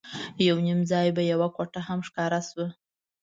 یو نیم ځای به یوه کوټه هم ښکاره شوه.